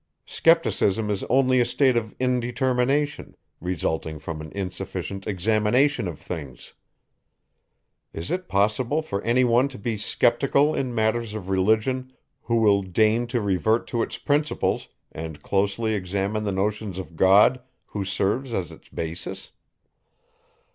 Scepticism is only a state of indetermination, resulting from an insufficient examination of things. Is it possible for any one to be sceptical in matters of religion, who will deign to revert to its principles, and closely examine the notion of God, who serves as its basis?